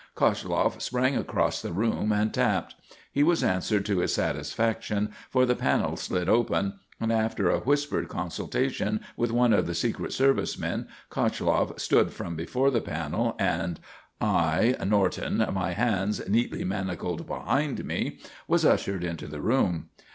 Koshloff sprang across the room and tapped. He was answered to his satisfaction, for the panel slid open, and after a whispered consultation with one of the secret service men, Koshloff stood from before the panel and I, Norton, my hands neatly manacled behind me, was ushered into the room.